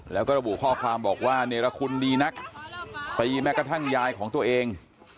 แล้วก็ระบุข้อความบอกว่าเนรคุณดีนักตีแม้กระทั่งยายของตัวเอง